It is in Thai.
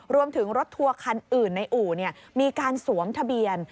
รถทัวร์คันอื่นในอู่มีการสวมทะเบียน